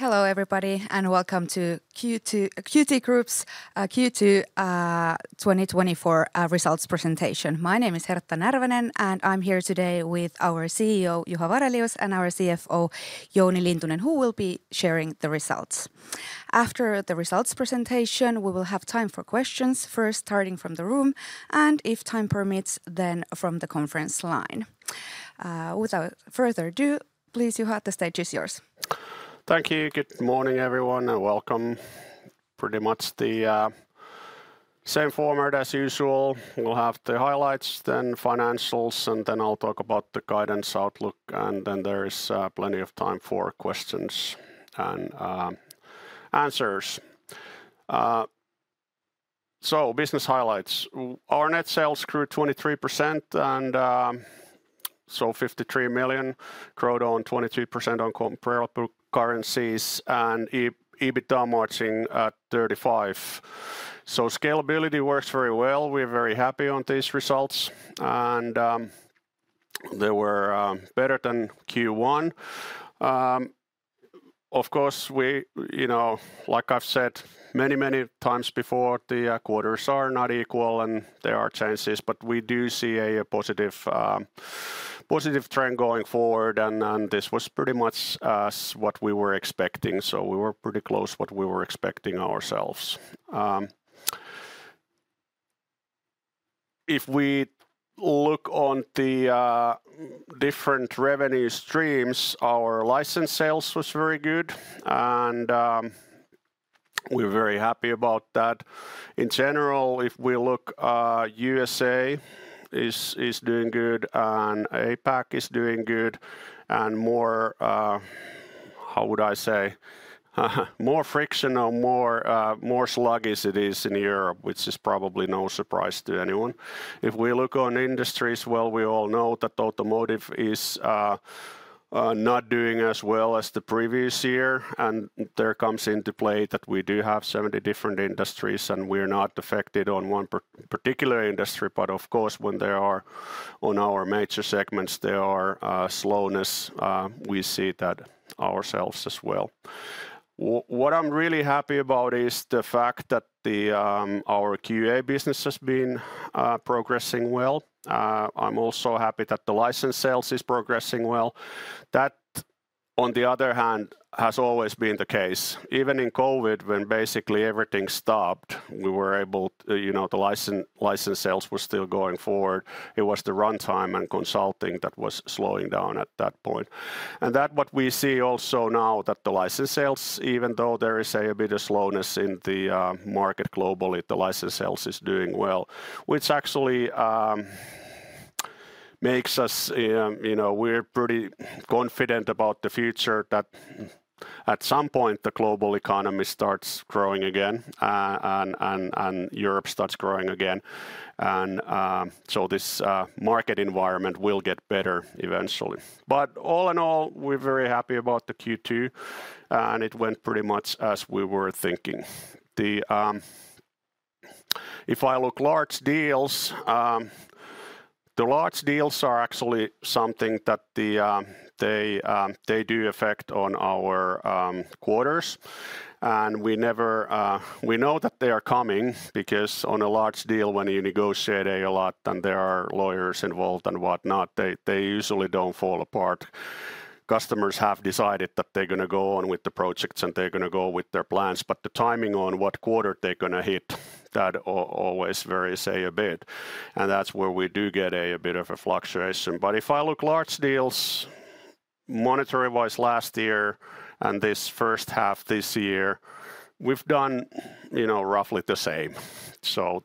Hello, everybody, and Welcome to Q2, Qt Group's, Q2, 2024, results presentation. My name is Hertta Närvänen, and I'm here today with our CEO, Juha Varelius, and our CFO, Jouni Lintunen, who will be sharing the results. After the results presentation, we will have time for questions, first starting from the room, and if time permits, then from the conference line. Without further ado, please, Juha, the stage is yours. Thank you. Good morning, everyone, and welcome. Pretty much the same format as usual. We'll have the highlights, then financials, and then I'll talk about the guidance outlook, and then there is plenty of time for questions and answers. Business highlights. Our net sales grew 23% and so 53 million growth on 23% on comparable currencies and EBITDA margin at 35%. So scalability works very well. We're very happy on these results, and they were better than Q1. Of course, we, you know, like I've said many, many times before, the quarters are not equal, and there are chances, but we do see a positive trend going forward, and this was pretty much what we were expecting, so we were pretty close what we were expecting ourselves. If we look on the different revenue streams, our license sales was very good, and we're very happy about that. In general, if we look, USA is doing good, and APAC is doing good, and more... How would I say? More frictional, more sluggish it is in Europe, which is probably no surprise to anyone. If we look on industries, well, we all know that Automotive is not doing as well as the previous year, and there comes into play that we do have 70 different industries, and we're not affected on one particular industry. But of course, when there are, on our major segments, there are slowness, we see that ourselves as well. What I'm really happy about is the fact that our QA business has been progressing well. I'm also happy that the license sales is progressing well. That, on the other hand, has always been the case. Even in COVID, when basically everything stopped, we were able, you know, the license sales were still going forward. It was the runtime and consulting that was slowing down at that point. And that what we see also now, that the license sales, even though there is a bit of slowness in the market globally, the license sales is doing well, which actually makes us, you know, we're pretty confident about the future that at some point, the global economy starts growing again, and, and, and Europe starts growing again, and so this market environment will get better eventually. But all in all, we're very happy about the Q2, and it went pretty much as we were thinking. The... If I look large deals, the large deals are actually something that the, they, they do affect on our, quarters, and we never... We know that they are coming, because on a large deal, when you negotiate a lot, and there are lawyers involved and whatnot, they, they usually don't fall apart. Customers have decided that they're gonna go on with the projects, and they're gonna go with their plans, but the timing on what quarter they're gonna hit, that always varies a bit, and that's where we do get a, a bit of a fluctuation. But if I look large deals, monetary-wise, last year and this first half this year, we've done, you know, roughly the same. So,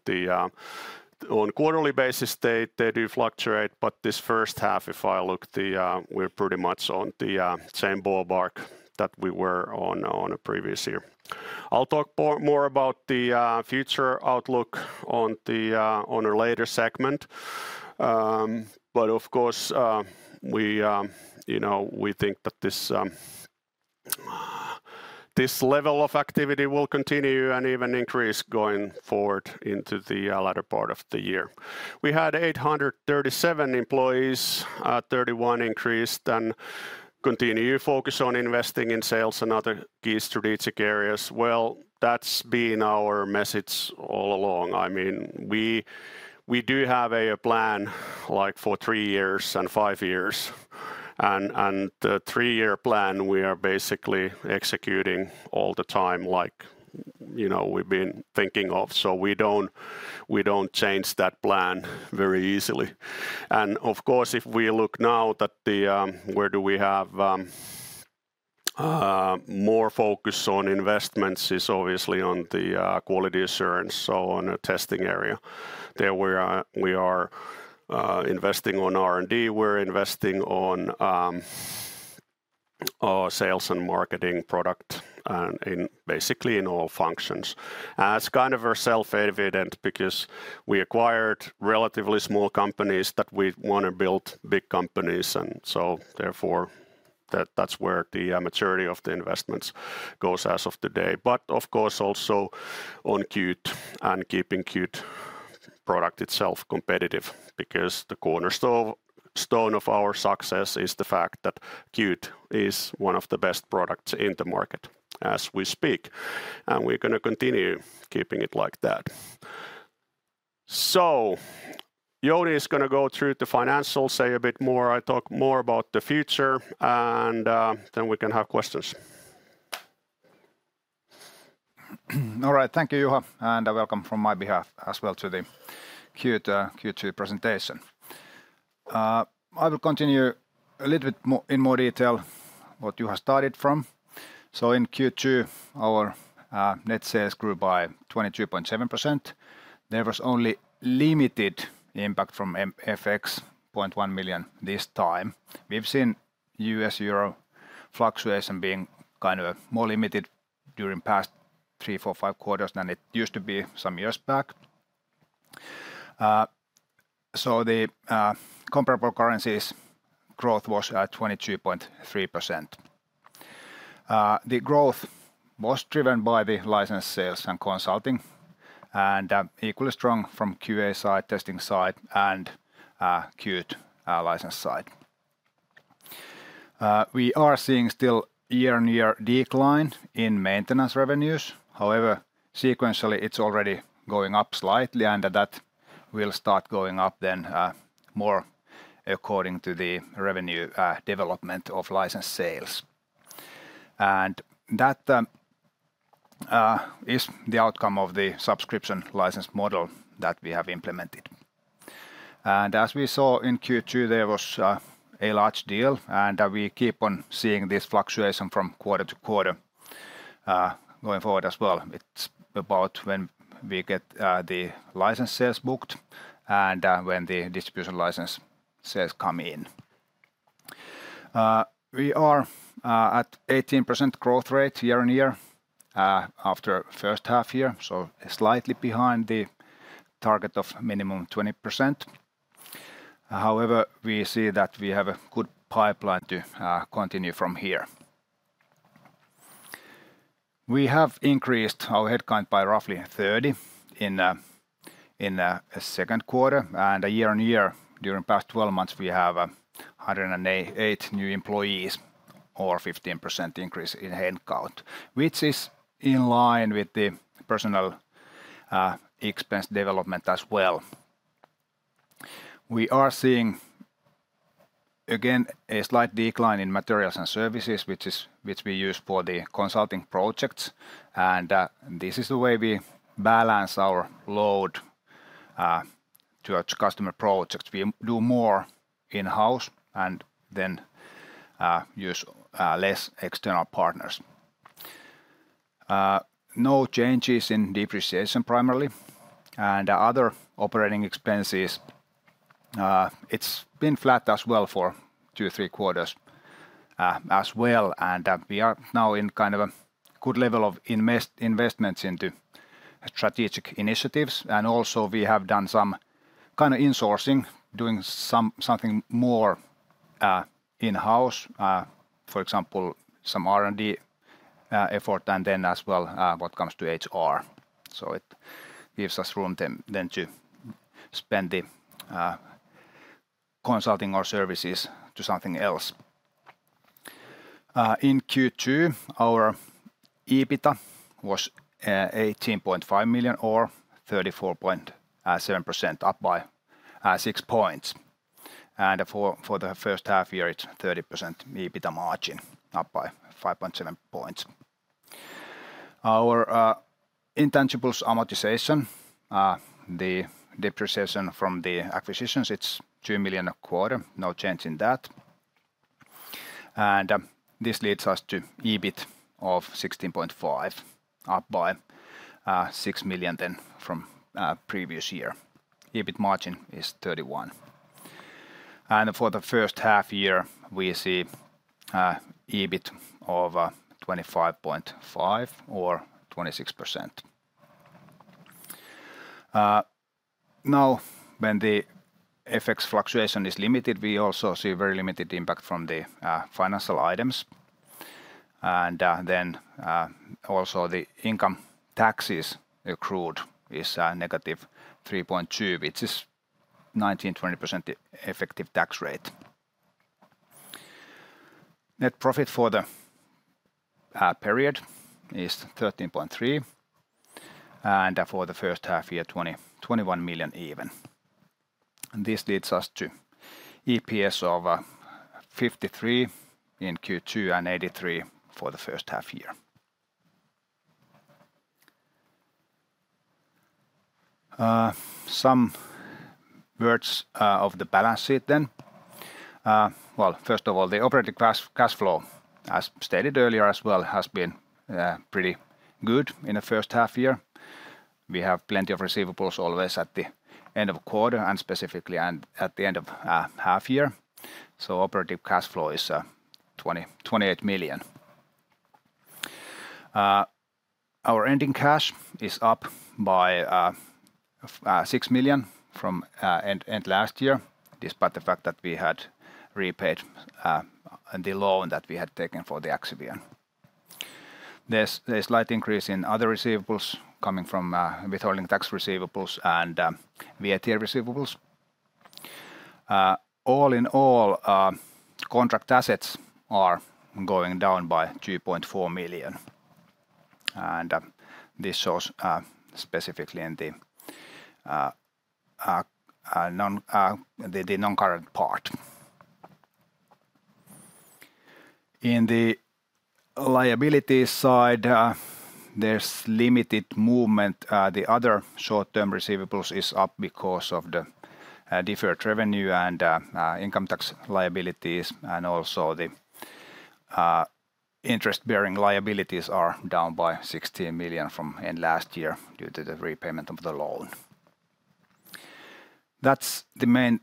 on a quarterly basis, they do fluctuate, but this first half, if I look, we're pretty much on the same ballpark that we were on in a previous year. I'll talk more about the future outlook on a later segment. But of course, you know, we think that this level of activity will continue and even increase going forward into the latter part of the year. We had 837 employees, 31 increased, and continue to focus on investing in sales and other key strategic areas. Well, that's been our message all along. I mean, we do have a plan, like, for 3 years and 5 years, and the 3-year plan, we are basically executing all the time, like, you know, we've been thinking of, so we don't change that plan very easily. And of course, if we look now that the, where do we have more focus on investments is obviously on the quality assurance, so on a testing area. There we are investing on R&D. We're investing on sales and marketing product in basically in all functions. And it's kind of self-evident because we acquired relatively small companies that we want to build big companies, and so therefore, that's where the maturity of the investments goes as of today. But of course, also on Qt and keeping Qt-... product itself competitive, because the cornerstone, stone of our success is the fact that Qt is one of the best products in the market as we speak, and we're gonna continue keeping it like that. So Jouni is gonna go through the financials, say a bit more, I talk more about the future, and then we can have questions. All right. Thank you, Juha, and welcome from my behalf as well to the Qt Q2 presentation. I will continue a little bit in more detail what Juha started from. So in Q2, our net sales grew by 22.7%. There was only limited impact from FX, 0.1 million this time. We've seen U.S. Euro fluctuation being kind of more limited during past three, four, five quarters than it used to be some years back. So the comparable currencies growth was at 22.3%. The growth was driven by the license sales and consulting, and equally strong from QA side, testing side, and Qt license side. We are seeing still year-on-year decline in maintenance revenues. However, sequentially, it's already going up slightly, and that will start going up then, more according to the revenue development of license sales. And that is the outcome of the subscription license model that we have implemented. And as we saw in Q2, there was a large deal, and we keep on seeing this fluctuation from quarter to quarter, going forward as well. It's about when we get the license sales booked and when the distribution license sales come in. We are at 18% growth rate, year-on-year, after first half year, so slightly behind the target of minimum 20%. However, we see that we have a good pipeline to continue from here. We have increased our headcount by roughly 30 in second quarter, and year-on-year, during past 12 months, we have 108 new employees, or 15% increase in headcount, which is in line with the personnel expense development as well. We are seeing, again, a slight decline in materials and services, which we use for the consulting projects, and this is the way we balance our load to our customer projects. We do more in-house and then use less external partners. No changes in depreciation primarily, and other operating expenses, it's been flat as well for 2-3 quarters, as well. We are now in kind of a good level of investments into strategic initiatives, and also we have done some kind of insourcing, doing something more in-house, for example, some R&D effort, and then as well, what comes to HR. So it gives us room then to spend the consulting or services to something else. In Q2, our EBITDA was 18.5 million, or 34.7%, up by six points. For the first half year, it's 30% EBITDA margin, up by 5.7 points. Our intangibles amortization, the depreciation from the acquisitions, it's 2 million a quarter, no change in that. This leads us to EBIT of 16.5 million, up by 6 million then from previous year. EBIT margin is 30%. For the first half year, we see EBIT of 25.5 or 26%. Now, when the FX fluctuation is limited, we also see very limited impact from the financial items, and then also the income taxes accrued is negative 3.2, which is 19%-20% effective tax rate. Net profit for the period is 13.3, and for the first half year, 21 million even. And this leads us to EPS of 53 in Q2 and 83 for the first half year. Some words of the balance sheet then. Well, first of all, the operating cash flow, as stated earlier as well, has been pretty good in the first half year. We have plenty of receivables always at the end of quarter, and specifically, and at the end of half year. So operating cash flow is 28 million. Our ending cash is up by 6 million from end last year, despite the fact that we had repaid the loan that we had taken for the Axivion. There's a slight increase in other receivables coming from withholding tax receivables and VAT receivables. All in all, contract assets are going down by 2.4 million, and this shows specifically in the non-current part. In the liability side, there's limited movement. The other short-term receivables is up because of the deferred revenue and income tax liabilities, and also the interest-bearing liabilities are down by 16 million from end last year due to the repayment of the loan. That's the main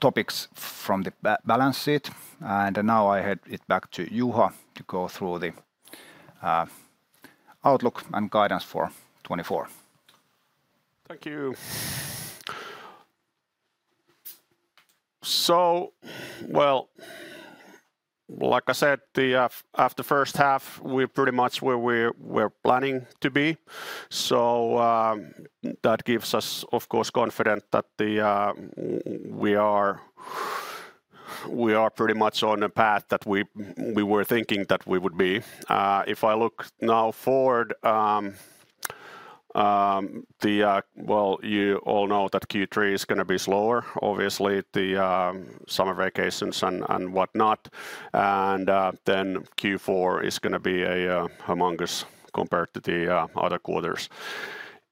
topics from the balance sheet, and now I hand it back to Juha to go through the outlook and guidance for 2024. Thank you. So, well, like I said, the after first half, we're pretty much where we're planning to be. So, that gives us, of course, confident that we are pretty much on a path that we were thinking that we would be. If I look now forward, well, you all know that Q3 is gonna be slower, obviously, the summer vacations and whatnot. And then Q4 is gonna be a humongous compared to the other quarters.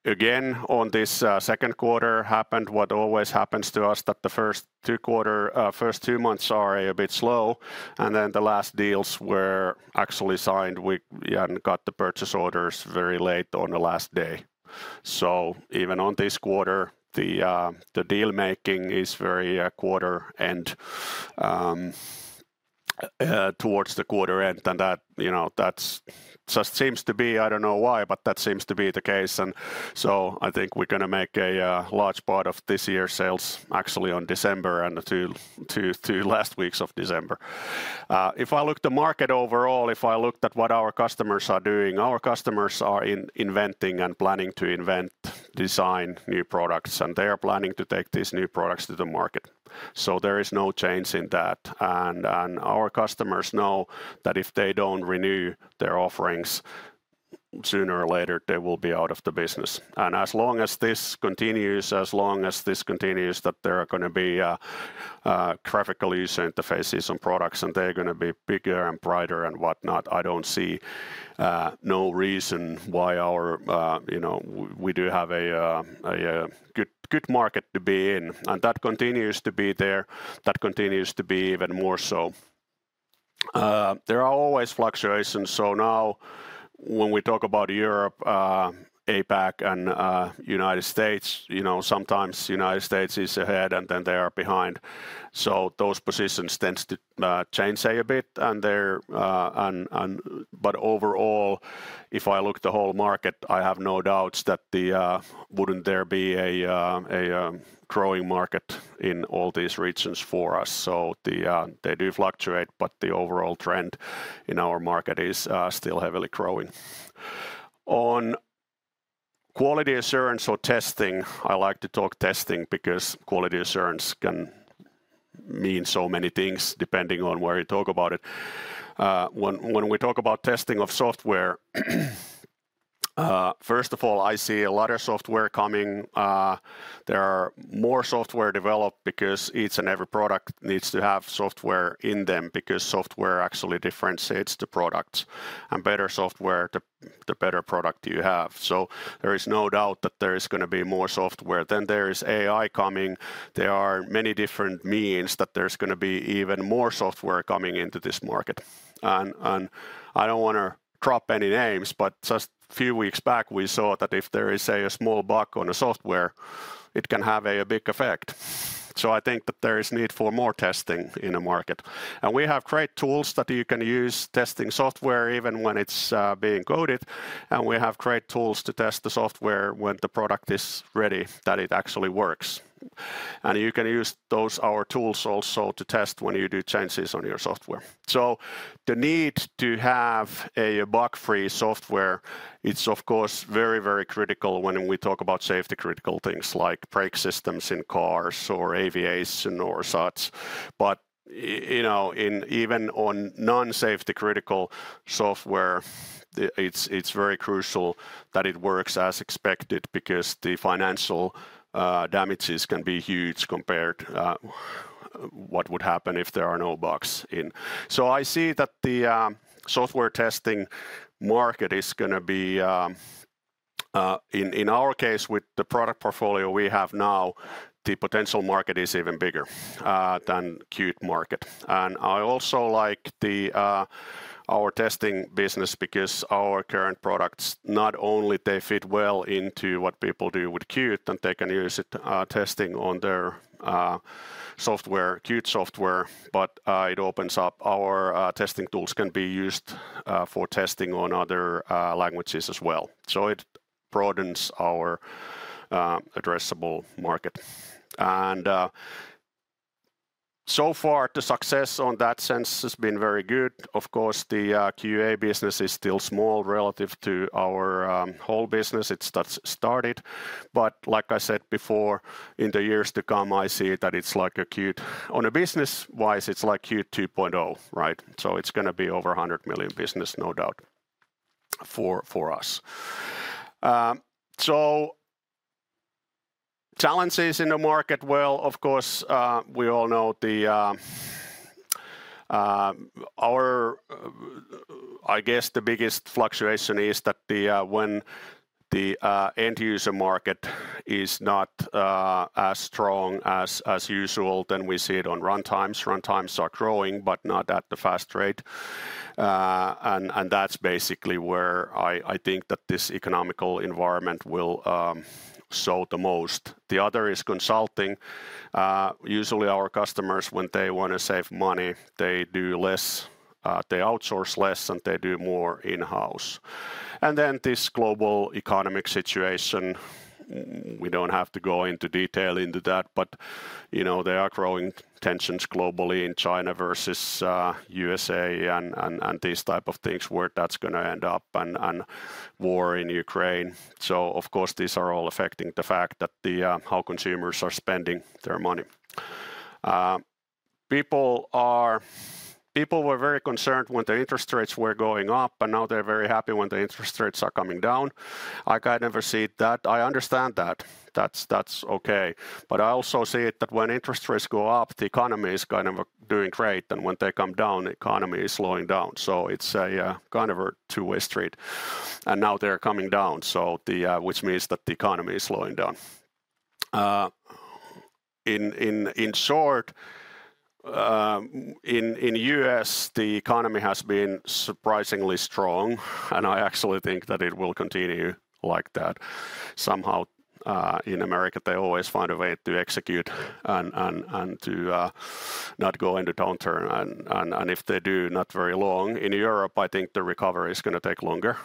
Again, on this second quarter, happened what always happens to us, that the first two months are a bit slow, and then the last deals were actually signed. We hadn't got the purchase orders very late on the last day. So even on this quarter, the deal-making is very quarter and towards the quarter end, and that, you know, that's just seems to be. I don't know why, but that seems to be the case. And so I think we're gonna make a large part of this year's sales actually on December and to last weeks of December. If I look the market overall, if I looked at what our customers are doing, our customers are inventing and planning to invent, design new products, and they are planning to take these new products to the market. So there is no change in that. And our customers know that if they don't renew their offerings, sooner or later they will be out of the business. And as long as this continues, as long as this continues, that there are gonna be graphical user interfaces and products, and they're gonna be bigger and brighter and whatnot, I don't see no reason why our... You know, we do have a good market to be in, and that continues to be there. That continues to be even more so. There are always fluctuations, so now when we talk about Europe, APAC and United States, you know, sometimes United States is ahead, and then they are behind. So those positions tends to change a bit, and they're but overall, if I look at the whole market, I have no doubts that the wouldn't there be a growing market in all these regions for us. So they do fluctuate, but the overall trend in our market is still heavily growing. On quality assurance or testing, I like to talk testing because quality assurance can mean so many things depending on where you talk about it. When we talk about testing of software, first of all, I see a lot of software coming. There are more software developed because each and every product needs to have software in them, because software actually differentiates the products, and better software, the better product you have. So there is no doubt that there is gonna be more software. Then there is AI coming. There are many different means that there's gonna be even more software coming into this market. And I don't wanna drop any names, but just few weeks back we saw that if there is, say, a small bug on a software, it can have a big effect. So I think that there is need for more testing in the market. And we have great tools that you can use testing software even when it's being coded, and we have great tools to test the software when the product is ready, that it actually works. And you can use those, our tools also to test when you do changes on your software. So the need to have a bug-free software, it's of course, very, very critical when we talk about safety-critical things like brake systems in cars or aviation or such. But you know, in even on non-safety-critical software, it's very crucial that it works as expected because the financial damages can be huge compared what would happen if there are no bugs in. So I see that the software testing market is gonna be in our case, with the product portfolio we have now, the potential market is even bigger than Qt market. And I also like our testing business because our current products, not only they fit well into what people do with Qt, and they can use it testing on their software, Qt software, but it opens up our testing tools can be used for testing on other languages as well. So it broadens our addressable market. And so-... So far, the success on that sense has been very good. Of course, the QA business is still small relative to our whole business. It's just started. But like I said before, in the years to come, I see that it's like Qt 2.0. On a business-wise, it's like Qt 2.0, right? So it's gonna be over 100 million business, no doubt, for us. So challenges in the market, well, of course, we all know our, I guess the biggest fluctuation is that when the end user market is not as strong as usual, then we see it on runtimes. Runtimes are growing, but not at the fast rate. And that's basically where I think that this economic environment will slow the most. The other is consulting. Usually, our customers, when they wanna save money, they do less, they outsource less, and they do more in-house. And then this global economic situation, we don't have to go into detail into that, but, you know, there are growing tensions globally in China versus, USA, and these type of things, where that's gonna end up, and war in Ukraine. So of course, these are all affecting the fact that the... how consumers are spending their money. People were very concerned when the interest rates were going up, and now they're very happy when the interest rates are coming down. I kind of see that. I understand that. That's, that's okay. But I also see it, that when interest rates go up, the economy is kind of doing great, and when they come down, the economy is slowing down. So it's a kind of a two-way street. And now they're coming down, so which means that the economy is slowing down. In short, in U.S., the economy has been surprisingly strong, and I actually think that it will continue like that. Somehow, in America, they always find a way to execute and to not go into downturn, and if they do, not very long. In Europe, I think the recovery is gonna take longer,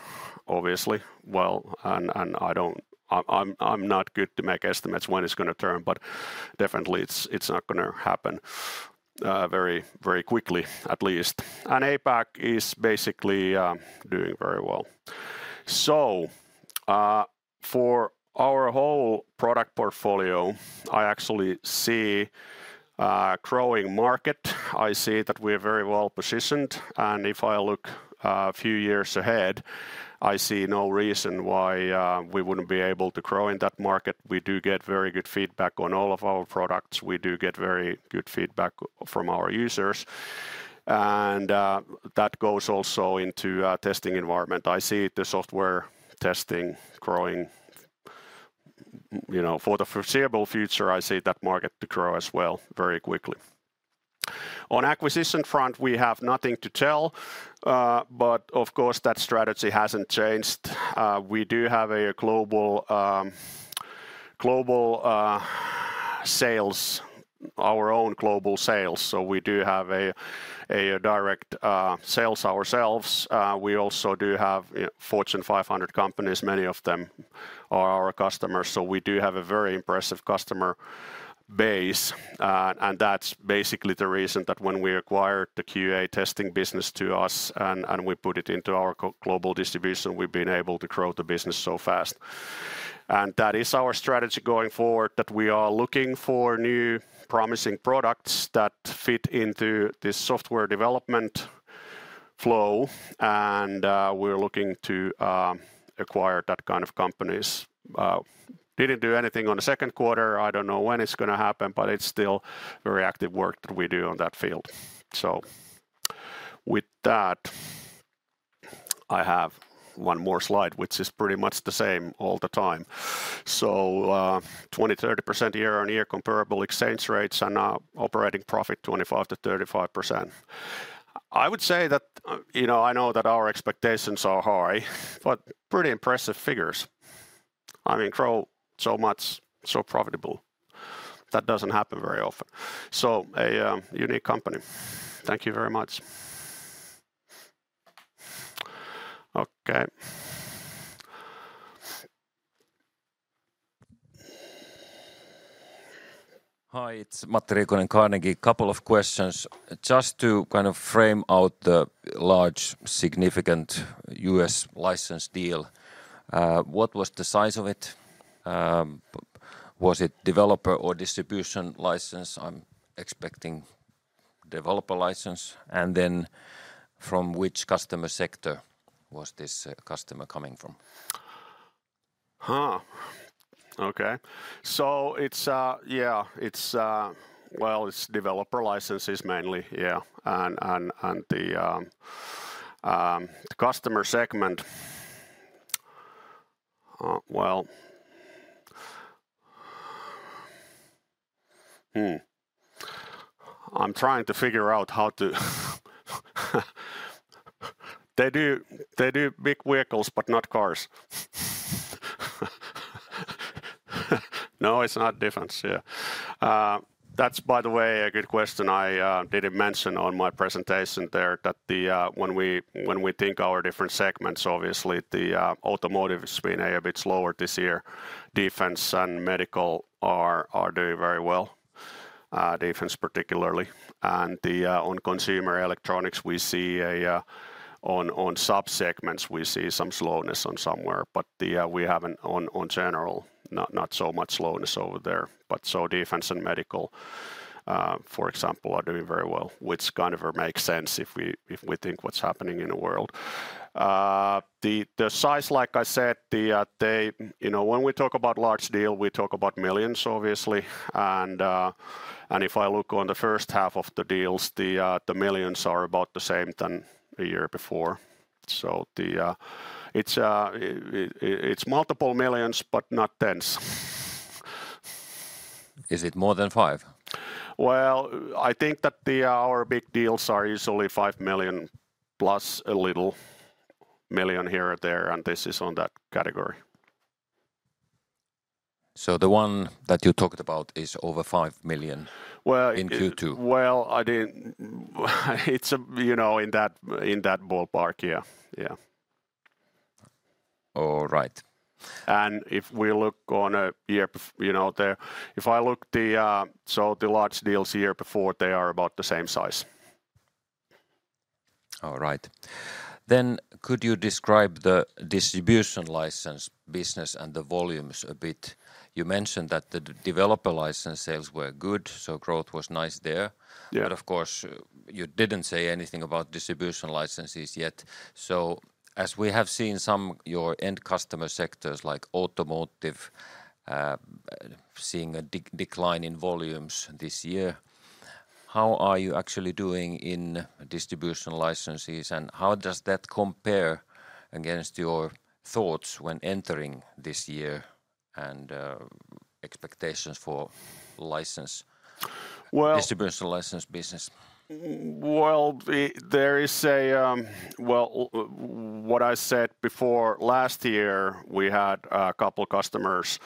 obviously. Well, and I don't, I'm not good to make estimates when it's gonna turn, but definitely it's not gonna happen very quickly, at least. And APAC is basically doing very well. So, for our whole product portfolio, I actually see a growing market. I see that we're very well positioned, and if I look, a few years ahead, I see no reason why, we wouldn't be able to grow in that market. We do get very good feedback on all of our products. We do get very good feedback from our users, and, that goes also into our testing environment. I see the software testing growing. You know, for the foreseeable future, I see that market to grow as well, very quickly. On acquisition front, we have nothing to tell, but of course, that strategy hasn't changed. We do have a global sales, our own global sales, so we do have a direct sales ourselves. We also do have, Fortune 500 companies, many of them are our customers, so we do have a very impressive customer base. And that's basically the reason that when we acquired the QA testing business to us, and we put it into our global distribution, we've been able to grow the business so fast. And that is our strategy going forward, that we are looking for new promising products that fit into this software development flow, and we're looking to acquire that kind of companies. Didn't do anything on the second quarter. I don't know when it's gonna happen, but it's still very active work that we do on that field. So with that, I have one more slide, which is pretty much the same all the time. So, 20%-30% year-on-year comparable exchange rates and operating profit, 25%-35%. I would say that, you know, I know that our expectations are high, but pretty impressive figures. I mean, grow so much, so profitable. That doesn't happen very often. So a unique company. Thank you very much. Okay. Hi, it's Matti Riikonen, Carnegie. Couple of questions. Just to kind of frame out the large, significant US license deal, what was the size of it? Was it developer or distribution license? I'm expecting developer license. And then from which customer sector was this customer coming from? Huh! Okay. So it's, yeah, it's... Well, it's developer licenses mainly, yeah. And the customer segment, well... They do big vehicles, but not cars. No, it's not defense. Yeah. That's, by the way, a good question. I didn't mention on my presentation there that when we think our different segments, obviously, the automotive has been a bit slower this year. Defense and medical are doing very well... defense particularly. And on consumer electronics, we see on sub-segments some slowness somewhere, but we haven't on general not so much slowness over there. But so defense and medical, for example, are doing very well, which kind of makes sense if we, if we think what's happening in the world. The size, like I said, they... You know, when we talk about large deal, we talk about millions, obviously, and if I look on the first half of the deals, the millions are about the same than the year before. So it's multiple millions, but not tens. Is it more than five? Well, I think that the our big deals are usually 5 million plus a little 1 million here or there, and this is on that category. The one that you talked about is over 5 million- Well-... in Q2? Well, I didn't... It's, you know, in that, in that ballpark. Yeah, yeah. All right. If we look on a year, you know, the... If I look the, so the large deals the year before, they are about the same size. All right. Then could you describe the distribution license business and the volumes a bit? You mentioned that the developer license sales were good, so growth was nice there. Yeah. But of course, you didn't say anything about distribution licenses yet. So as we have seen some, your end customer sectors, like automotive, seeing a decline in volumes this year, how are you actually doing in distribution licenses, and how does that compare against your thoughts when entering this year, and expectations for license? Well- Distribution license business. Well, what I said before, last year we had a couple customers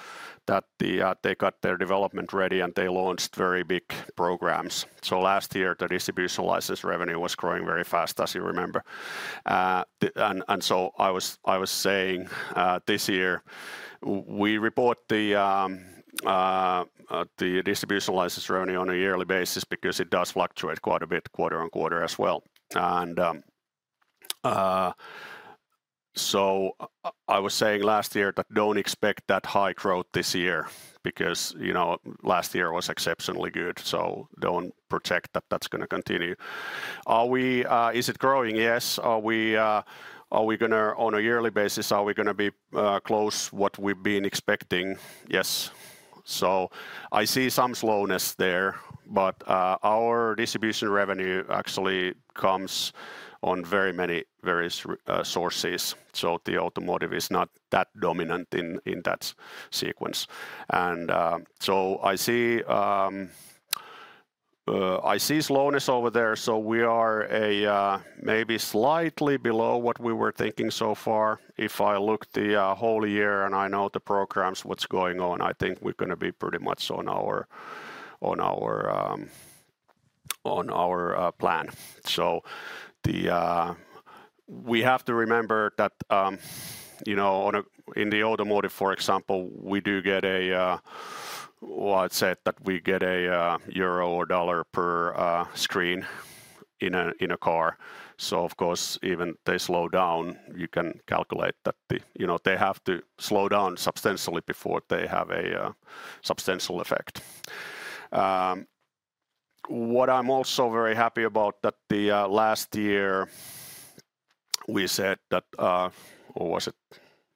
that they got their development ready, and they launched very big programs. So last year, the distribution license revenue was growing very fast, as you remember. And so I was saying, this year we report the distribution license revenue on a yearly basis because it does fluctuate quite a bit quarter on quarter as well. And so I was saying last year that don't expect that high growth this year because, you know, last year was exceptionally good, so don't project that that's gonna continue. Are we... Is it growing? Yes. Are we, are we gonna, on a yearly basis, are we gonna be, close what we've been expecting? Yes. So I see some slowness there, but our distribution revenue actually comes from very many various sources, so the automotive is not that dominant in that sequence. And so I see slowness over there, so we are maybe slightly below what we were thinking so far. If I look the whole year and I know the programs, what's going on, I think we're gonna be pretty much on our plan. So... We have to remember that, you know, in the automotive, for example, we do get a EUR 1 or $1 per screen in a car. So of course, even they slow down, you can calculate that the, you know, they have to slow down substantially before they have a substantial effect. What I'm also very happy about that the, last year we said that... Or was it?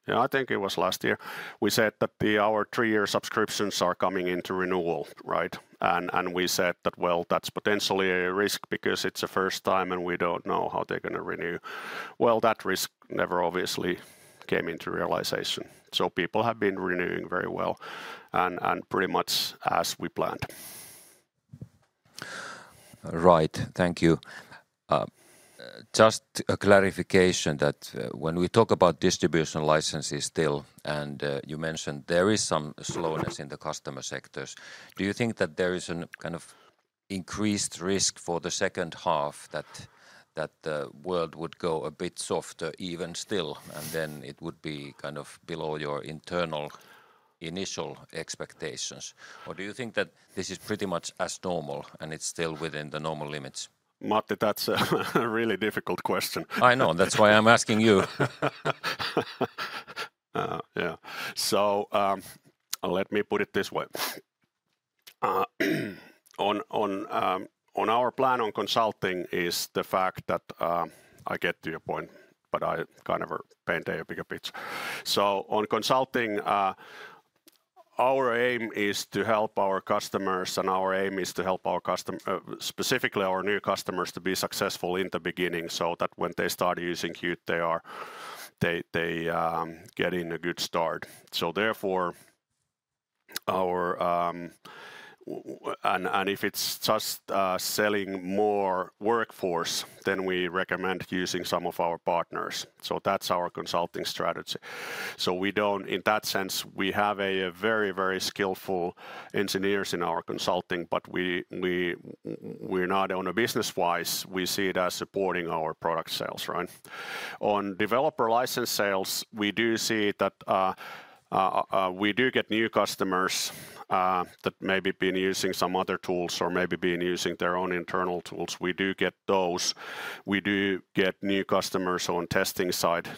Yeah, I think it was last year. We said that the, our three-year subscriptions are coming into renewal, right? And, and we said that, well, that's potentially a risk because it's the first time, and we don't know how they're gonna renew. Well, that risk never obviously came into realization, so people have been renewing very well and, and pretty much as we planned. Right. Thank you. Just a clarification that, when we talk about distribution licenses still, and you mentioned there is some slowness in the customer sectors, do you think that there is a kind of increased risk for the second half that the world would go a bit softer even still, and then it would be kind of below your internal initial expectations? Or do you think that this is pretty much as normal, and it's still within the normal limits? Matti, that's a really difficult question. I know. That's why I'm asking you. Yeah. So, let me put it this way. On our plan on consulting is the fact that... I'll get to your point, but I kind of paint a bigger picture. So on consulting, our aim is to help our customers, and our aim is to help specifically our new customers to be successful in the beginning, so that when they start using Qt, they get in a good start. So therefore, and if it's just selling more workforce, then we recommend using some of our partners. So that's our consulting strategy. So we don't... In that sense, we have a very, very skillful engineers in our consulting, but we're not owner business-wise. We see it as supporting our product sales, right? On developer license sales, we do see that we do get new customers that maybe been using some other tools or maybe been using their own internal tools. We do get those. We do get new customers on testing side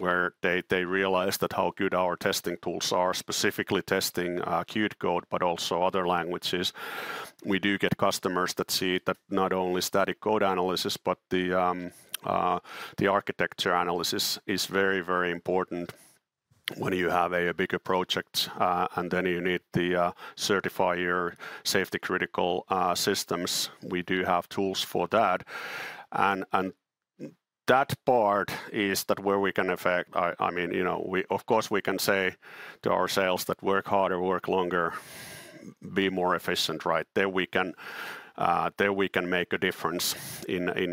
where they realize that how good our testing tools are, specifically testing Qt code, but also other languages. We do get customers that see that not only static code analysis, but the architecture analysis is very, very important when you have a bigger project, and then you need to certify your safety critical systems. We do have tools for that, and that part is where we can affect. I mean, you know, we, of course, we can say to ourselves that work harder, work longer, be more efficient, right? There we can make a difference in,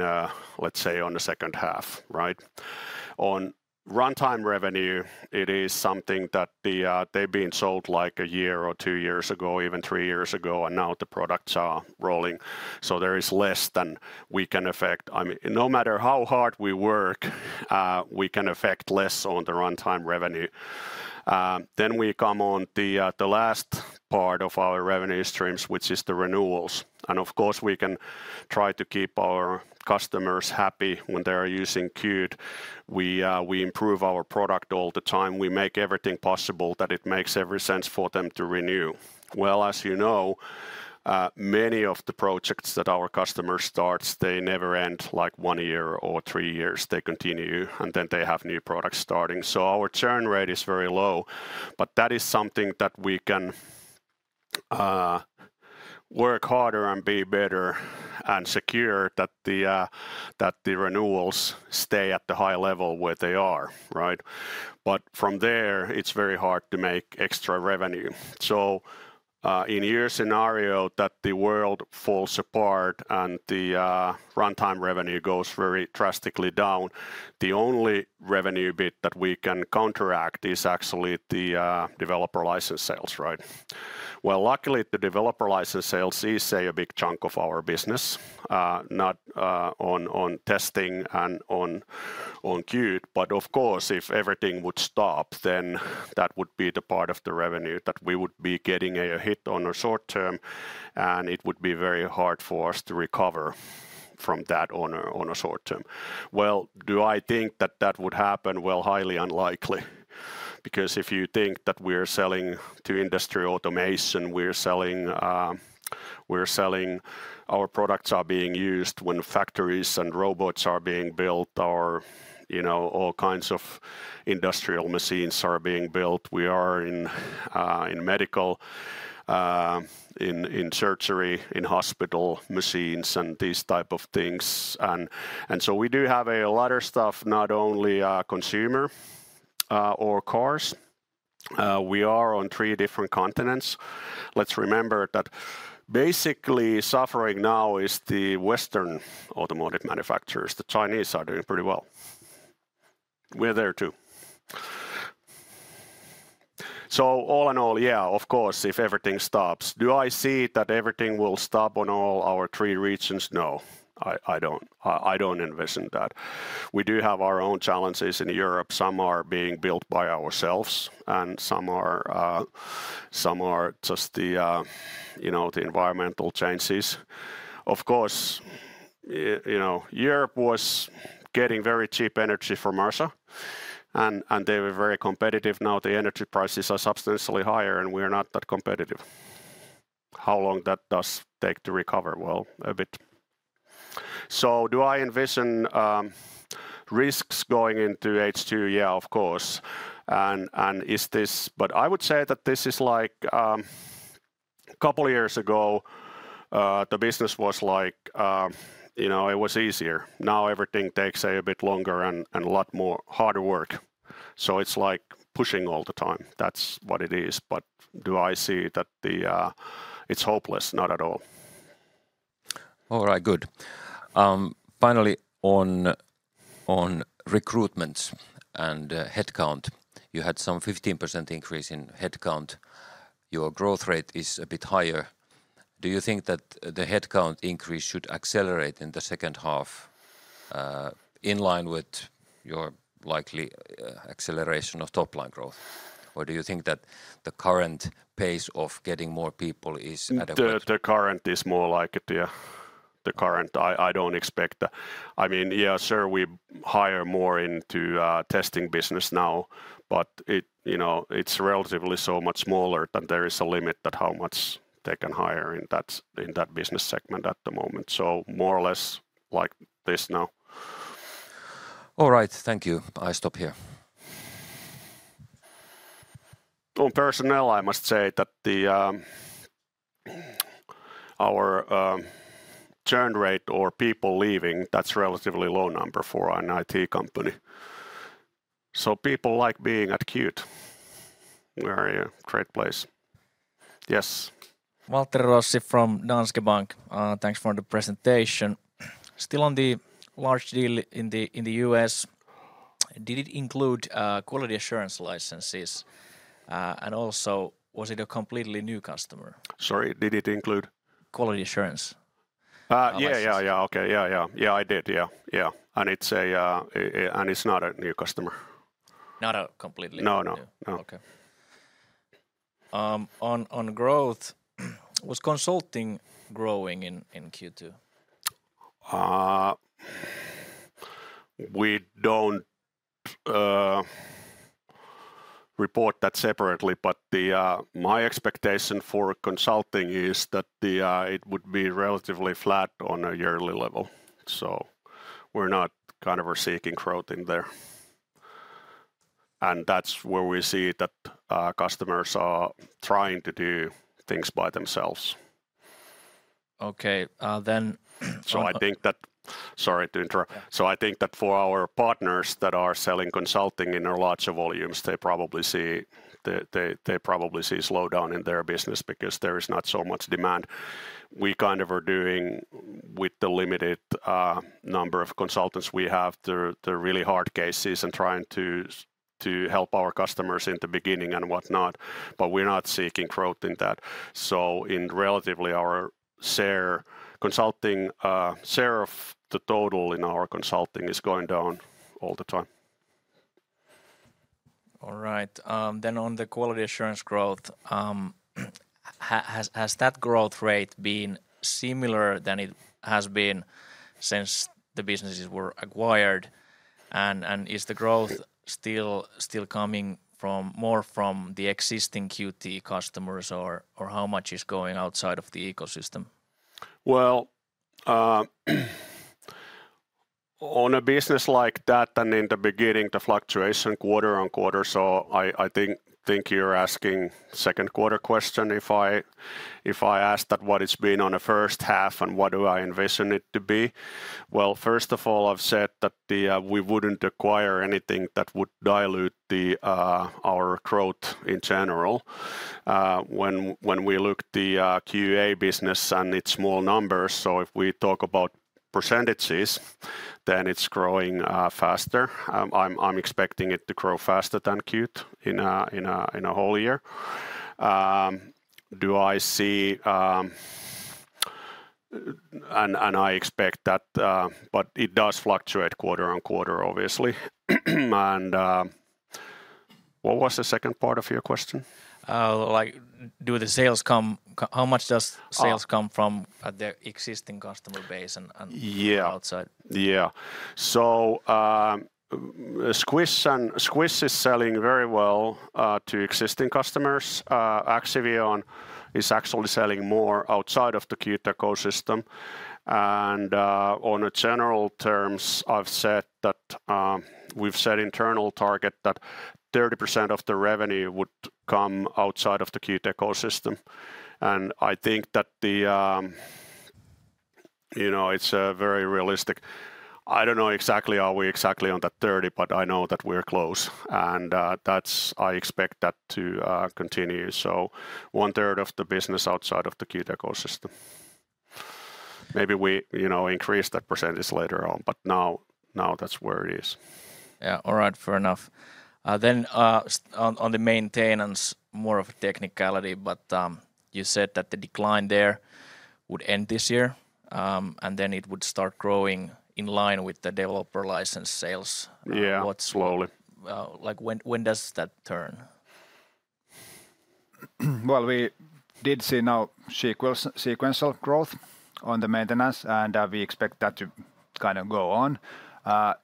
let's say, on the second half, right? On runtime revenue, it is something that they've been sold like a year or two years ago, even three years ago, and now the products are rolling, so there is less than we can affect. I mean, no matter how hard we work, we can affect less on the runtime revenue. Then we come on the, the last part of our revenue streams, which is the renewals, and of course, we can try to keep our customers happy when they are using Qt. We, we improve our product all the time. We make everything possible, that it makes every sense for them to renew. Well, as you know, many of the projects that our customer starts, they never end, like, one year or three years. They continue, and then they have new products starting. So our churn rate is very low, but that is something that we can work harder and be better and secure that the renewals stay at the high level where they are, right? But from there, it's very hard to make extra revenue. So, in your scenario, that the world falls apart and the runtime revenue goes very drastically down, the only revenue bit that we can counteract is actually the developer license sales, right? Well, luckily, the developer license sales is, say, a big chunk of our business, not, on, on testing and on, on Qt, but of course, if everything would stop, then that would be the part of the revenue that we would be getting a hit on the short term, and it would be very hard for us to recover from that on a, on a short term. Well, do I think that that would happen? Well, highly unlikely, because if you think that we're selling to industrial automation, we're selling, Our products are being used when factories and robots are being built or, you know, all kinds of industrial machines are being built. We are in medical, in surgery, in hospital machines, and these type of things, and so we do have a lot of stuff, not only consumer or cars. We are on three different continents. Let's remember that basically suffering now is the Western automotive manufacturers. The Chinese are doing pretty well. We're there, too. So all in all, yeah, of course, if everything stops, do I see that everything will stop on all our three regions? No, I don't. I don't envision that. We do have our own challenges in Europe. Some are being built by ourselves, and some are just the, you know, the environmental changes. Of course, you know, Europe was getting very cheap energy from Russia, and they were very competitive. Now, the energy prices are substantially higher, and we are not that competitive. How long that does take to recover? Well, a bit. So do I envision risks going into H2? Yeah, of course. But I would say that this is like, couple years ago, the business was like, you know, it was easier. Now, everything takes a bit longer and a lot more harder work, so it's like pushing all the time. That's what it is, but do I see that the it's hopeless? Not at all. All right. Good. Finally, on, on recruitment and headcount, you had some 15% increase in headcount. Your growth rate is a bit higher. Do you think that the headcount increase should accelerate in the second half, in line with your likely acceleration of top-line growth, or do you think that the current pace of getting more people is adequate? The current is more like it, yeah. The current, I don't expect... I mean, yeah, sure, we hire more into our testing business now, but it, you know, it's relatively so much smaller that there is a limit at how much they can hire in that, in that business segment at the moment, so more or less like this now. All right. Thank you. I stop here. On personnel, I must say that our churn rate or people leaving, that's relatively low number for an IT company, so people like being at Qt. We're a great place. Yes. Waltteri Rossi from Danske Bank. Thanks for the presentation. Still on the large deal in the U.S., did it include quality assurance licenses? And also, was it a completely new customer? Sorry, did it include? Quality assurance licenses. Yeah, yeah, yeah. Okay. Yeah, yeah. Yeah, I did, yeah, yeah, and it's not a new customer. Not a completely- No, no. No. Okay.... on growth, was consulting growing in Q2? We don't report that separately, but my expectation for consulting is that it would be relatively flat on a yearly level, so we're not kind of seeking growth in there. That's where we see that customers are trying to do things by themselves. Okay, I think that. Sorry to interrupt. Yeah. So I think that for our partners that are selling consulting in larger volumes, they probably see a slowdown in their business because there is not so much demand. We kind of are doing with the limited number of consultants we have, the really hard cases and trying to help our customers in the beginning and whatnot, but we're not seeking growth in that. So, relatively, our share, consulting share, of the total in our consulting is going down all the time. All right. Then on the quality assurance growth, has that growth rate been similar than it has been since the businesses were acquired? And is the growth still coming more from the existing Qt customers, or how much is going outside of the ecosystem? Well, on a business like that, and in the beginning, the fluctuation quarter on quarter, so I think you're asking second quarter question. If I ask that, what it's been on the first half, and what do I envision it to be? Well, first of all, I've said that we wouldn't acquire anything that would dilute our growth in general. When we look the QA business and its small numbers, so if we talk about percentages, then it's growing faster. I'm expecting it to grow faster than Qt in a whole year. Do I see... I expect that, but it does fluctuate quarter on quarter, obviously. What was the second part of your question? Like, how much does- Uh... sales come from the existing customer base and... Yeah -outside? Yeah. So, Squish and Squish is selling very well, to existing customers. Axivion is actually selling more outside of the Qt ecosystem. And, on a general terms, I've said that, we've set internal target that 30% of the revenue would come outside of the Qt ecosystem, and I think that the... You know, it's, very realistic. I don't know exactly, are we exactly on that 30, but I know that we're close, and, that's-- I expect that to, continue, so one third of the business outside of the Qt ecosystem. Maybe we, you know, increase that percentage later on, but now, now that's where it is. Yeah. All right. Fair enough. Then, on the maintenance, more of a technicality, but you said that the decline there would end this year, and then it would start growing in line with the developer license sales. Yeah. What- Slowly. Like, when does that turn? Well, we did see now sequential growth on the maintenance, and we expect that to kind of go on.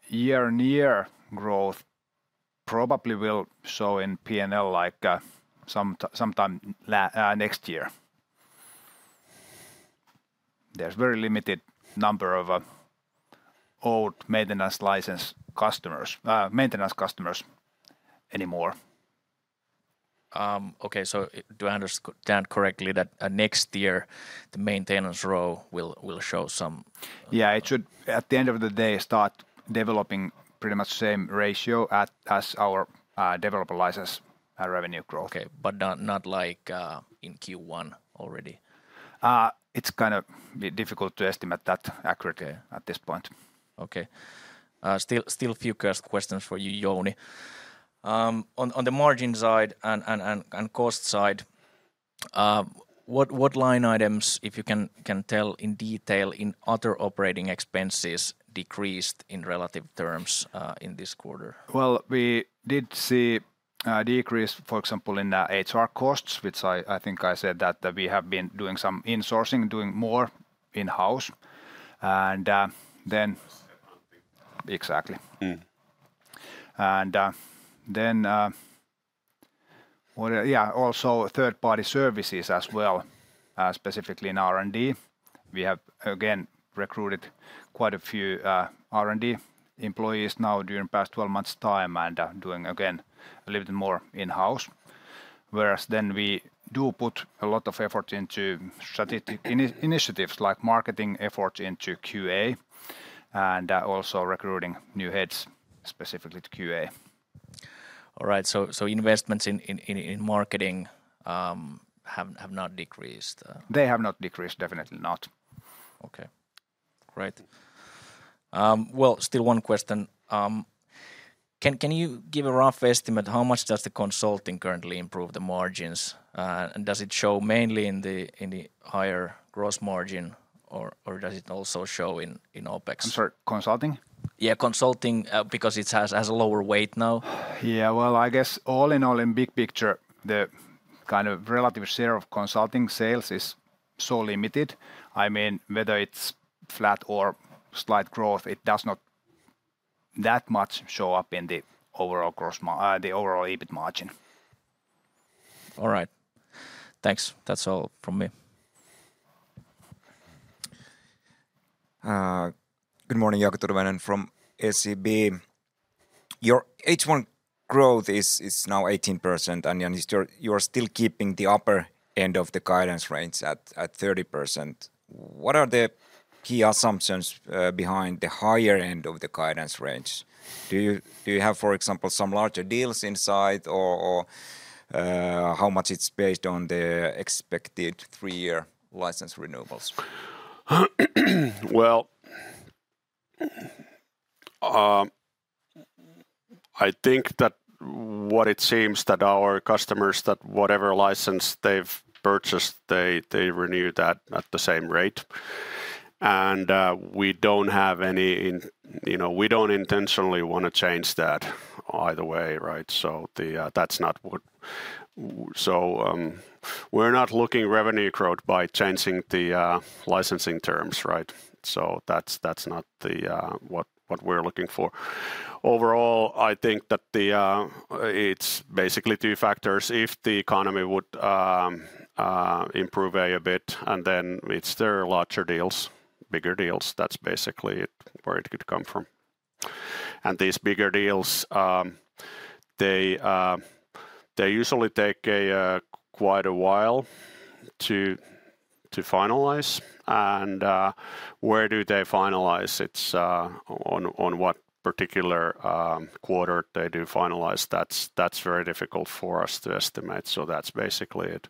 Year-on-year growth probably will show in P&L, like, sometime later next year. There's very limited number of old maintenance license customers, maintenance customers anymore. Okay, so do I understand correctly that next year, the maintenance row will show some- Yeah, it should, at the end of the day, start developing pretty much the same ratio as our developer license revenue growth. Okay. But not, not like, in Q1 already. It's kind of difficult to estimate that accurately at this point. Okay. Still a few questions for you, Jouni. On the margin side and cost side, what line items, if you can tell in detail, in other operating expenses decreased in relative terms in this quarter? Well, we did see a decrease, for example, in the HR costs, which I think I said that we have been doing some insourcing, doing more in-house. And then. Exactly. Mm. Yeah, also third-party services as well, specifically in R&D. We have again recruited quite a few R&D employees now during the past 12 months' time and doing again a little more in-house. Whereas then we do put a lot of effort into strategic initiatives, like marketing efforts into QA and also recruiting new heads, specifically to QA. All right. So investments in marketing have not decreased? They have not decreased. Definitely not. Okay. Great. Well, still one question: Can you give a rough estimate, how much does the consulting currently improve the margins? And does it show mainly in the higher gross margin... or does it also show in OpEx? I'm sorry, consulting? Yeah, consulting, because it has a lower weight now. Yeah, well, I guess all in all, in big picture, the kind of relative share of consulting sales is so limited. I mean, whether it's flat or slight growth, it does not that much show up in the overall EBIT margin. All right. Thanks. That's all from me. Good morning, Jaakko Tyrväinen from SEB. Your H1 growth is now 18%, and you're still keeping the upper end of the guidance range at 30%. What are the key assumptions behind the higher end of the guidance range? Do you have, for example, some larger deals in sight, or how much it's based on the expected three-year license renewals? Well, I think that what it seems that our customers, that whatever license they've purchased, they, they renew that at the same rate. You know, we don't intentionally wanna change that either way, right? We're not looking revenue growth by changing the licensing terms, right? So that's, that's not the what, what we're looking for. Overall, I think that it's basically two factors: if the economy would improve a bit, and then it's there are larger deals, bigger deals. That's basically it, where it could come from. And these bigger deals, they, they usually take quite a while to, to finalize. And, where do they finalize it? On what particular quarter they do finalize, that's very difficult for us to estimate, so that's basically it.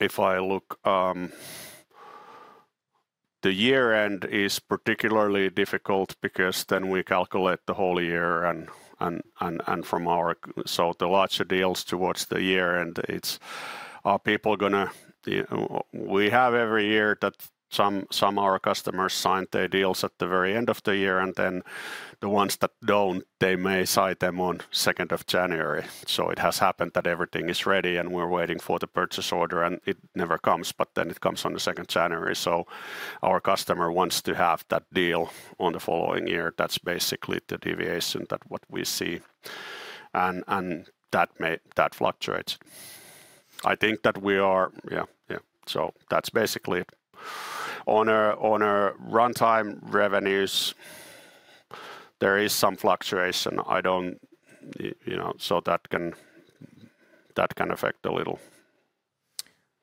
If I look, the year end is particularly difficult because then we calculate the whole year and from our. So the larger deals towards the year end, it's. We have every year that some of our customers sign their deals at the very end of the year, and then the ones that don't, they may sign them on second of January. So it has happened that everything is ready, and we're waiting for the purchase order, and it never comes, but then it comes on the second January. So our customer wants to have that deal on the following year. That's basically the deviation that we see, and that may fluctuate. I think that we are... Yeah, yeah. So that's basically it. On our, on our runtime revenues, there is some fluctuation. I don't, you know... So that can, that can affect a little.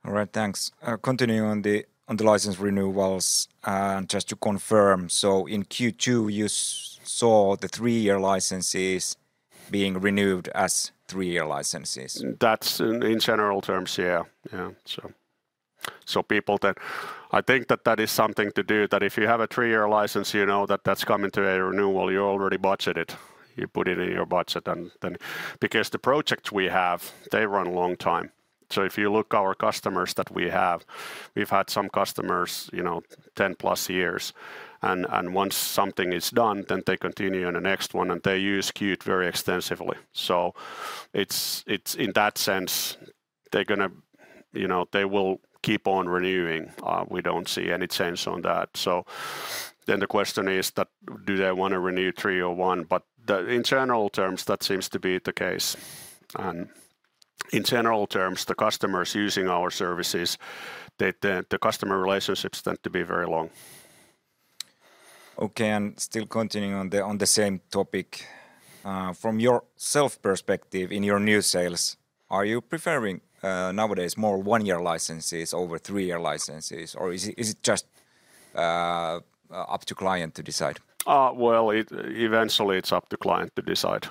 All right, thanks. Continuing on the license renewals, and just to confirm: so in Q2, you saw the three-year licenses being renewed as three-year licenses? That's in general terms, yeah. So people that... I think that is something to do, that if you have a three-year license, you know that that's coming to a renewal, you already budget it. You put it in your budget and then... Because the projects we have, they run a long time. So if you look our customers that we have, we've had some customers, you know, ten-plus years, and once something is done, then they continue on the next one, and they use Qt very extensively. So it's in that sense, they're gonna... You know, they will keep on renewing. We don't see any change on that. So then the question is that, do they wanna renew three or one? But in general terms, that seems to be the case. In general terms, the customers using our services, the customer relationships tend to be very long. Okay, and still continuing on the same topic, from your sales perspective in your new sales, are you preferring nowadays more one-year licenses over three-year licenses, or is it just up to client to decide? Well, it eventually it's up to client to decide.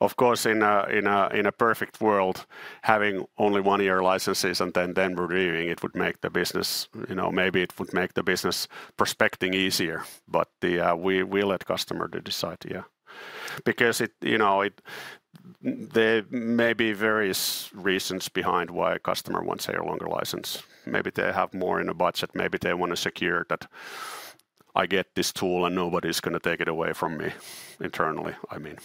Of course, in a perfect world, having only one-year licenses and then renewing, it would make the business... You know, maybe it would make the business prospecting easier, but the... We let customer to decide, yeah. Because it, you know, it, there may be various reasons behind why a customer wants a longer license. Maybe they have more in a budget. Maybe they want to secure that I get this tool, and nobody's gonna take it away from me internally, I mean.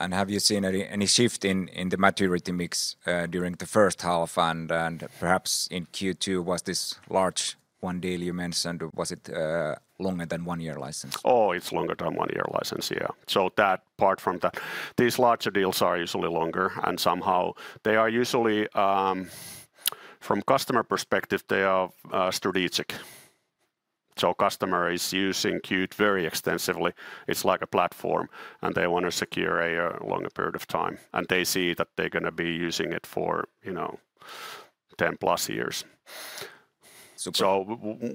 Have you seen any shift in the maturity mix during the first half? Perhaps in Q2, was this large one deal you mentioned, was it a longer than one-year license? Oh, it's longer than one-year license, yeah. So that, apart from that, these larger deals are usually longer, and somehow they are usually, from customer perspective, they are, strategic. So customer is using Qt very extensively. It's like a platform, and they want to secure a, longer period of time, and they see that they're gonna be using it for, you know, 10+ years. So- So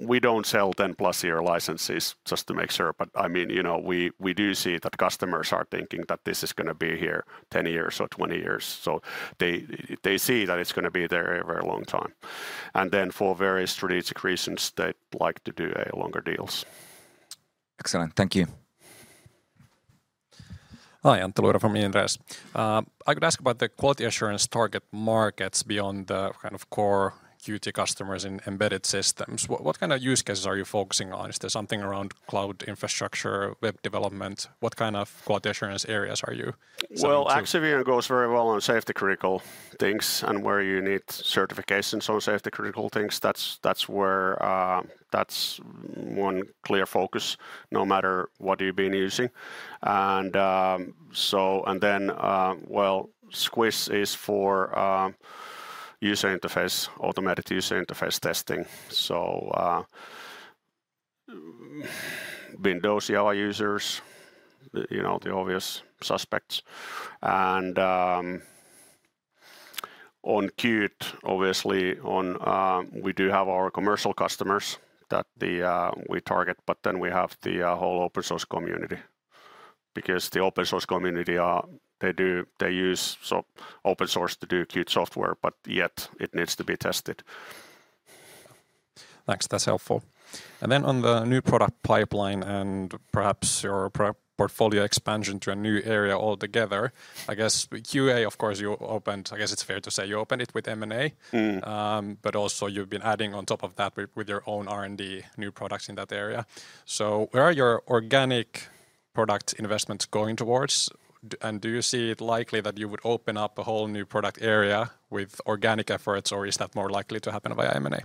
we don't sell 10+ year licenses, just to make sure, but I mean, you know, we, we do see that customers are thinking that this is gonna be here 10 years or 20 years. So they, they see that it's gonna be there a very long time. And then for various strategic reasons, they like to do a longer deals. Excellent. Thank you.... Hi, Antti Luiro from Inderes. I could ask about the quality assurance target markets beyond the kind of core Qt customers in embedded systems. What, what kind of use cases are you focusing on? Is there something around cloud infrastructure, web development? What kind of quality assurance areas are you selling to? Well, Axivion goes very well on safety critical things, and where you need certifications on safety critical things. That's where. That's one clear focus, no matter what you've been using. And, well, Squish is for user interface, automated user interface testing. So, Windows UI users, you know, the obvious suspects. And, on Qt, obviously. We do have our commercial customers that we target, but then we have the whole open source community. Because the open source community are, they use open source to do Qt software, but yet it needs to be tested. Thanks. That's helpful. And then on the new product pipeline and perhaps your portfolio expansion to a new area altogether, I guess QA, of course, you opened... I guess it's fair to say you opened it with M&A. Mm. But also you've been adding on top of that with your own R&D, new products in that area. So where are your organic product investments going towards? And do you see it likely that you would open up a whole new product area with organic efforts, or is that more likely to happen via M&A?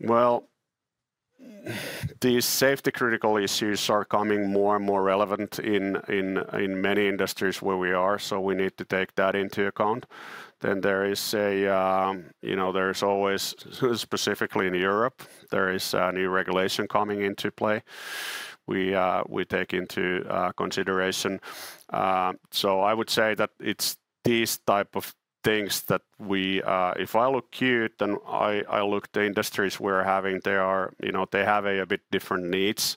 Well, these safety critical issues are coming more and more relevant in many industries where we are, so we need to take that into account. Then there is a, you know, there's always, specifically in Europe, there is a new regulation coming into play. We take into consideration. So I would say that it's these type of things that we... If I look Qt, then I look the industries we're having, they are, you know, they have a bit different needs,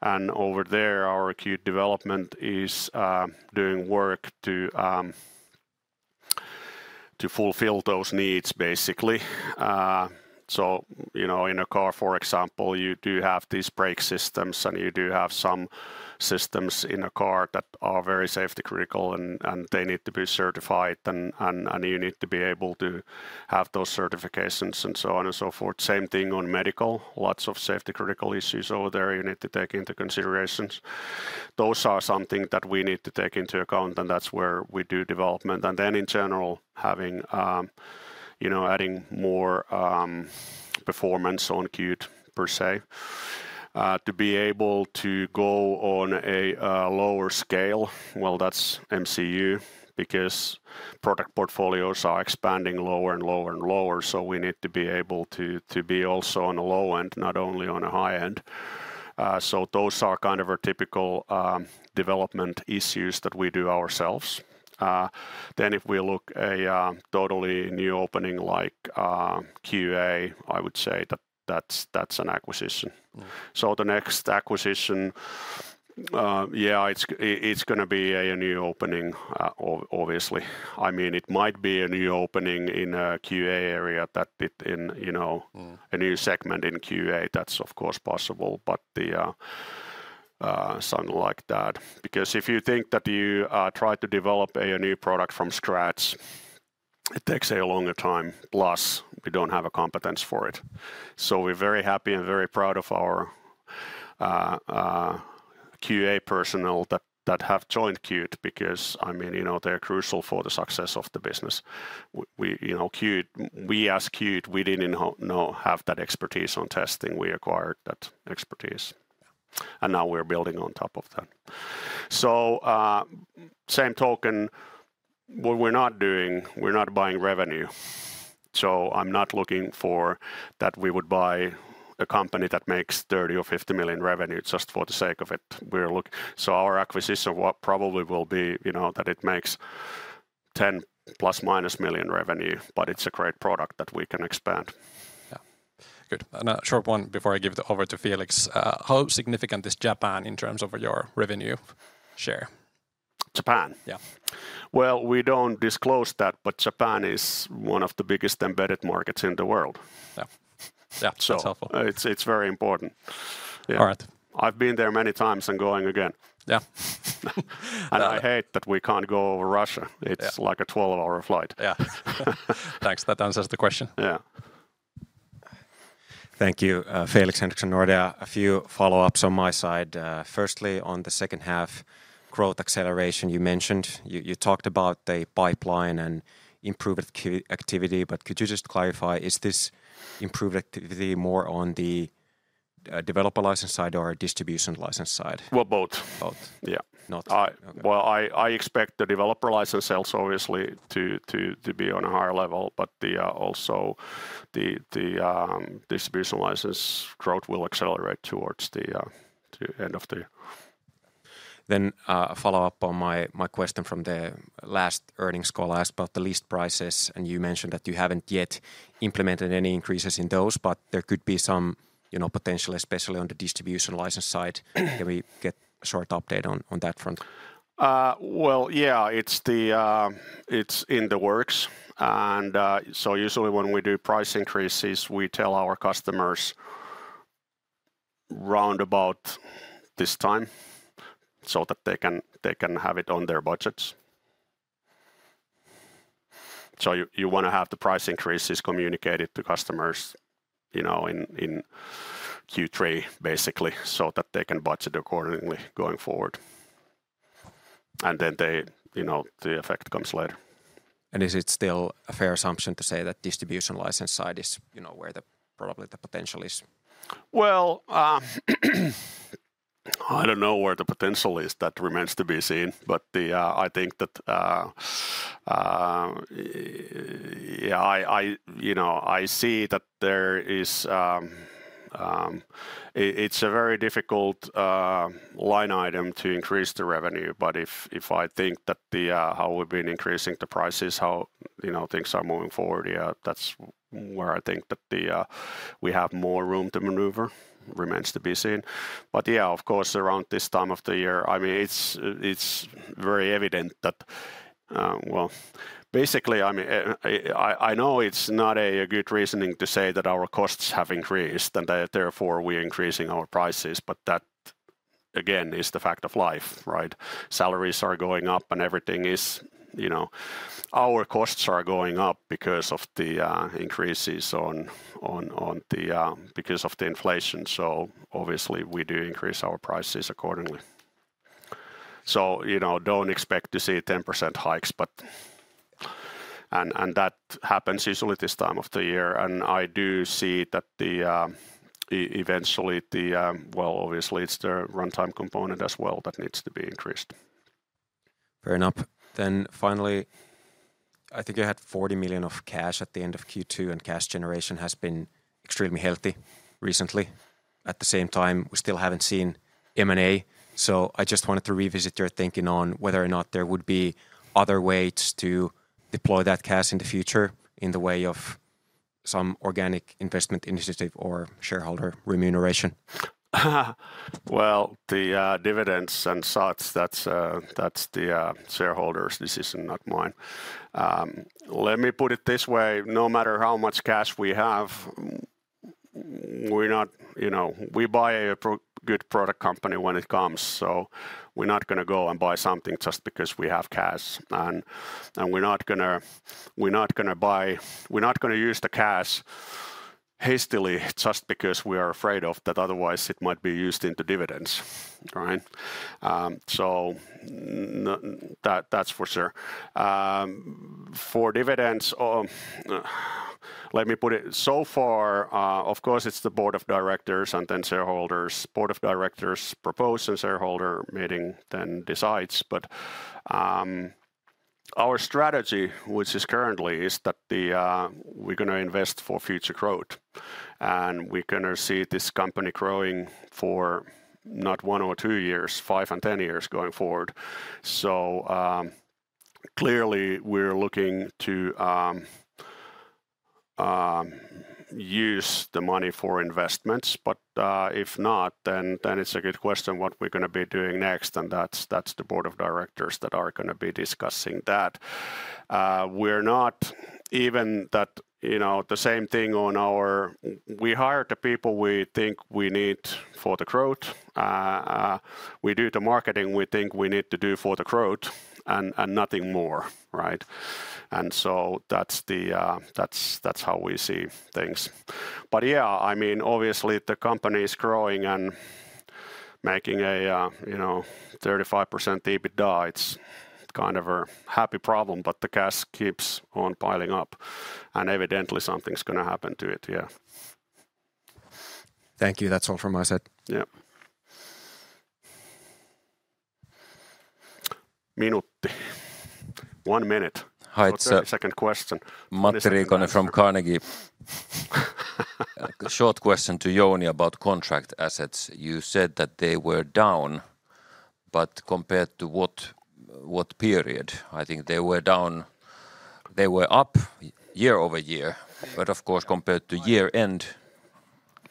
and over there, our Qt development is doing work to fulfill those needs, basically. So, you know, in a car, for example, you do have these brake systems, and you do have some systems in a car that are very safety critical, and they need to be certified, and you need to be able to have those certifications, and so on and so forth. Same thing on medical. Lots of safety critical issues over there you need to take into considerations. Those are something that we need to take into account, and that's where we do development. And then in general, having, you know, adding more performance on Qt, per se, to be able to go on a lower scale, well, that's MCU, because product portfolios are expanding lower and lower and lower, so we need to be able to be also on the low end, not only on a high end. So those are kind of our typical development issues that we do ourselves. Then if we look at a totally new opening, like QA, I would say that that's an acquisition. Mm. So the next acquisition, it's gonna be a new opening, obviously. I mean, it might be a new opening in a QA area that bit in, you know- Mm... a new segment in QA. That's of course possible, but something like that. Because if you think that you try to develop a new product from scratch, it takes a longer time, plus we don't have a competence for it. So we're very happy and very proud of our QA personnel that have joined Qt, because, I mean, you know, they're crucial for the success of the business. We, you know, Qt, we as Qt, we didn't have that expertise on testing. We acquired that expertise, and now we're building on top of that. So, same token, what we're not doing, we're not buying revenue. So I'm not looking for that we would buy a company that makes 30 million or 50 million revenue just for the sake of it. We're looking, so our acquisition, what probably will be, you know, that it makes 10 plus minus million revenue, but it's a great product that we can expand. Yeah. Good. And a short one before I give it over to Felix. How significant is Japan in terms of your revenue share? Japan? Yeah. Well, we don't disclose that, but Japan is one of the biggest embedded markets in the world. Yeah. Yeah, that's helpful. It's, it's very important. Yeah. All right. I've been there many times and going again. Yeah. I hate that we can't go over Russia. Yeah. It's like a 12-hour flight. Yeah. Thanks. That answers the question. Yeah. Thank you. Felix Henriksson, Nordea. A few follow-ups on my side. Firstly, on the second half growth acceleration you mentioned, you talked about the pipeline and improved Q activity, but could you just clarify, is this improved activity more on the developer license side or distribution license side? Well, both. Both. Yeah. Not- Well, I expect the developer license sales obviously to be on a higher level, but also the distribution license growth will accelerate towards the end of the... Then, a follow-up on my question from the last earnings call. I asked about the lease prices, and you mentioned that you haven't yet implemented any increases in those, but there could be some, you know, potential, especially on the distribution license side. Can we get a short update on that front? Well, yeah, it's the. It's in the works, and so usually when we do price increases, we tell our customers round about this time, so that they can, they can have it on their budgets. So you, you wanna have the price increases communicated to customers, you know, in, in Q3, basically, so that they can budget accordingly going forward. And then they, you know, the effect comes later. Is it still a fair assumption to say that distribution license side is, you know, where the probably the potential is? Well, I don't know where the potential is. That remains to be seen, but the... I think that, yeah, I, you know, I see that there is, it's a very difficult line item to increase the revenue. But if I think that the how we've been increasing the prices, how, you know, things are moving forward, yeah, that's where I think that the we have more room to maneuver. Remains to be seen. But yeah, of course, around this time of the year, I mean, it's very evident that, well, basically, I mean, I know it's not a good reasoning to say that our costs have increased, and therefore, we're increasing our prices, but that, again, is the fact of life, right? Salaries are going up, and everything is... You know, our costs are going up because of the increases because of the inflation, so obviously we do increase our prices accordingly. So, you know, don't expect to see 10% hikes, but... And that happens usually this time of the year, and I do see that eventually, well, obviously, it's the runtime component as well that needs to be increased. Fair enough. Then finally, I think you had 40 million of cash at the end of Q2, and cash generation has been extremely healthy recently. At the same time, we still haven't seen M&A, so I just wanted to revisit your thinking on whether or not there would be other ways to deploy that cash in the future in the way of some organic investment initiative or shareholder remuneration. Well, the dividends and such, that's the shareholder's decision, not mine. Let me put it this way: No matter how much cash we have, we're not... You know, we buy a good product company when it comes, so we're not gonna go and buy something just because we have cash. And we're not gonna use the cash hastily just because we are afraid of that otherwise it might be used into dividends, right? So that, that's for sure. For dividends, let me put it so far, of course, it's the board of directors and then shareholders. Board of directors proposes, shareholder meeting then decides. But our strategy, which is currently, is that we're gonna invest for future growth, and we're gonna see this company growing for not 1 or 2 years, 5 and 10 years going forward. So clearly, we're looking to use the money for investments, but if not, then it's a good question what we're gonna be doing next, and that's the board of directors that are gonna be discussing that. We're not even that, you know, the same thing on our... We hire the people we think we need for the growth. We do the marketing we think we need to do for the growth, and nothing more, right? And so that's how we see things. But yeah, I mean, obviously, the company is growing and making a 35% EBITDA. It's kind of a happy problem, but the cash keeps on piling up, and evidently, something's gonna happen to it, yeah. Thank you. That's all from my side. Yeah. Minuutti. One minute- Hi, it's For second question. Matti Riikonen from Carnegie. Short question to Jouni about contract assets. You said that they were down, but compared to what, what period? I think they were down... They were up year over year, but of course, compared to year end-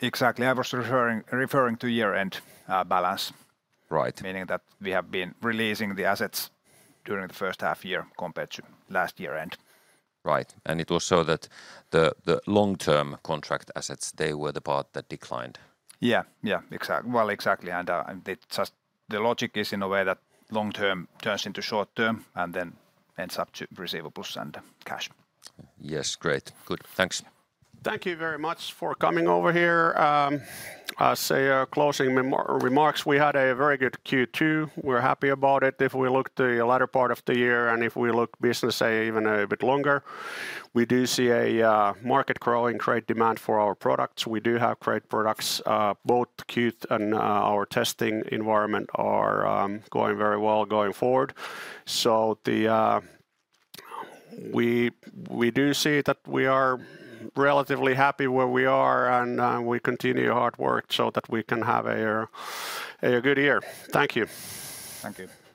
Exactly. I was referring to year-end balance. Right. Meaning that we have been releasing the assets during the first half year compared to last year-end. Right. And it was so that the long-term contract assets, they were the part that declined? Yeah, yeah, well, exactly, and and it just... The logic is, in a way, that long term turns into short term and then ends up to receivables and cash. Yes. Great. Good, thanks. Thank you very much for coming over here. I'll say closing remarks. We had a very good Q2. We're happy about it. If we look to the latter part of the year and if we look business, say, even a bit longer, we do see a market growing, great demand for our products. We do have great products. Both Qt and our testing environment are going very well going forward. So we do see that we are relatively happy where we are, and we continue hard work so that we can have a good year. Thank you. Thank you.